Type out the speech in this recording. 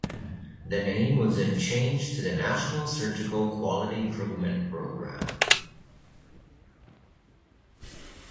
The name was then changed to the National Surgical Quality Improvement Program.